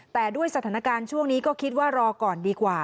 แต่ด้วยสถานการณ์ช่วงนี้ก็คิดว่ารอก่อนดีกว่า